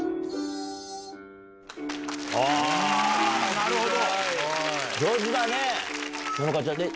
なるほど！